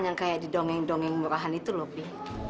yang kayak didongeng dongeng murahan itu loh pi